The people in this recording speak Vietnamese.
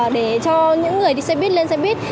để cho những người đi xe buýt lên xe buýt